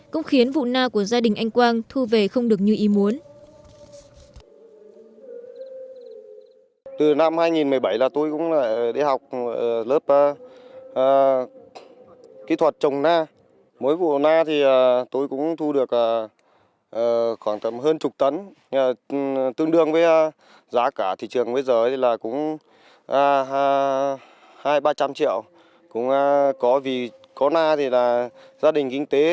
cũng khiến vụ na của gia đình anh quang thu về không được như ý muốn